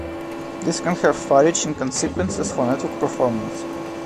This can have far-reaching consequences for network performance.